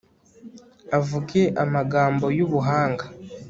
avuge amagambo y'ubuhanga